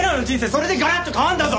それでガラッと変わるんだぞ！